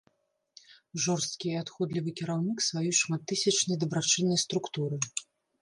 Жорсткі і адходлівы кіраўнік сваёй шматтысячнай дабрачыннай структуры.